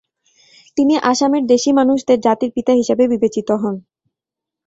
তিনি আসামের "দেশি" মানুষদের জাতির পিতা হিসাবে বিবেচিত হন।